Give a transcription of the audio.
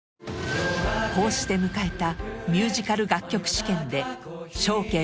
こうして迎えた